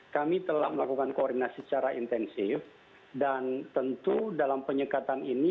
kami telah melakukan koordinasi secara intensif dan tentu dalam penyekatan ini